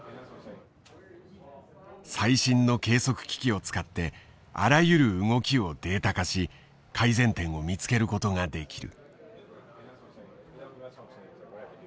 最新の計測機器を使ってあらゆる動きをデータ化し改善点を見つけることができる。